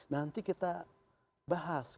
nanti kita bahas